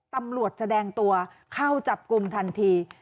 ตำรวจแสดงตัวเข้าจับกลุ่มทันที